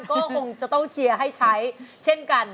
ก็คงจะต้องเชียร์ให้ใช้เช่นกัน